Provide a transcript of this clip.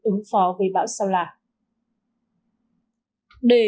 để chủ động ứng phó về bão giảm thiểu thiệt hại